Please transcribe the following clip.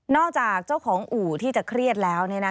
จากเจ้าของอู่ที่จะเครียดแล้ว